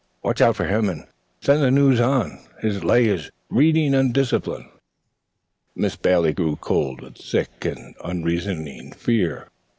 Watch out for him, and send the news on. His lay is reading and discipline." Miss Bailey grew cold with sick and unreasoning fear.